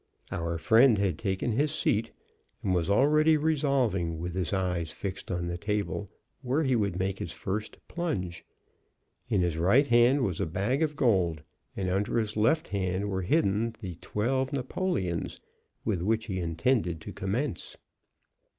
Our friend had taken his seat, and was already resolving, with his eyes fixed on the table, where he would make his first plunge. In his right hand was a bag of gold, and under his left hand were hidden the twelve napoleons with which he intended to commence.